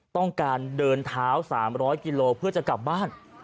ต้องการเดินเท้า๓๐๐กิโลเพื่อจะกลับบ้าน